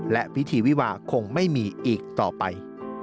และพิธีวิวาคงไม่มีอีกต่อไป